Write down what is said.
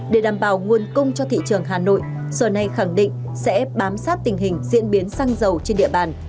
để đảm bảo nguồn cung cho thị trường hà nội sở này khẳng định sẽ bám sát tình hình diễn biến xăng dầu trên địa bàn